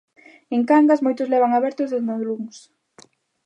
En Cangas, moitos levan abertos dende o luns.